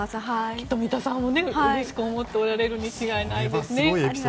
きっと三田さんもうれしく思っておられるに違いないですね。